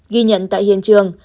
ghi nhận tại hiện trường